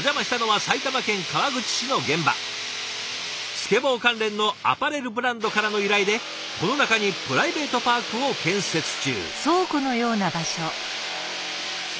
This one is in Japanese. スケボー関連のアパレルブランドからの依頼でこの中にプライベートパークを建設中。